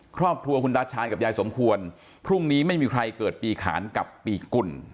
ครอบครัวคุณตาชาญกับยายสมควรพรุ่งนี้ไม่มีใครเกิดปีขานกับปีกุ่น